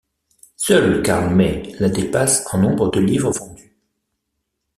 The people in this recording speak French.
Seul Karl May la dépasse en nombre de livres vendus.